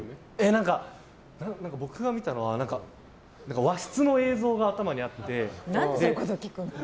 何か、僕が見たのは和室の映像が頭にあって。